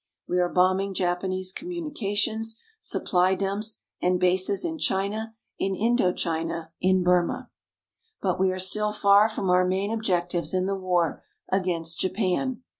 We are bombing Japanese communications, supply dumps, and bases in China, in Indo China, in Burma. But we are still far from our main objectives in the war against Japan.